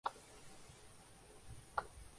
یہاں ایسی لیڈرشپ ہے؟